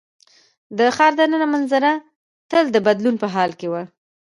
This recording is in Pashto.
د ښار د ننه منظره تل د بدلون په حال کې وه.